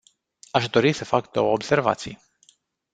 Aș dori să fac două observații.